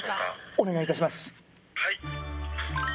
お願いいたします